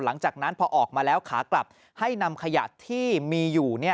หลังจากนั้นพอออกมาแล้วขากลับให้นำขยะที่มีอยู่